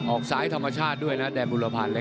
ออกสายธรรมชาติด้วยนะแดนบุรพาเล็ก